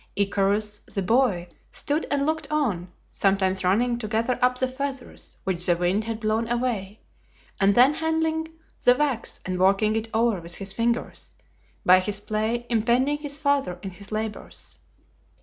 Icarus, the boy, stood and looked on, sometimes running to gather up the feathers which the wind had blown away, and then handling the wax and working it over with his fingers, by his play impeding his father in his labors.